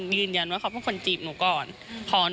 อ่าเดี๋ยวฟองดูนะครับไม่เคยพูดนะครับ